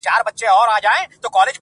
هم په چرت كي د بيزو او هم د ځان وو!!